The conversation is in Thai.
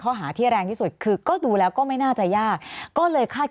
ข้อหาที่แรงที่สุดคือก็ดูแล้วก็ไม่น่าจะยากก็เลยคาด